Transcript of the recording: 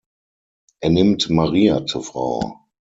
Er nimmt Maria zur Frau.